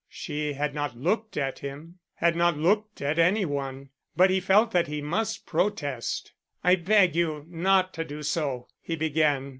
She had not looked at him, had not looked at any one, but he felt that he must protest. "I beg you not to do so," he began.